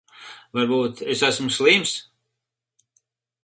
Varbūt es esmu slims.